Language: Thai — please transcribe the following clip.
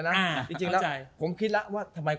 มันต้องเส้นมา